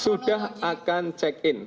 sudah akan check in